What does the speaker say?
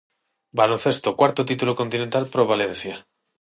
Baloncesto, Cuarto título continental para o Valencia.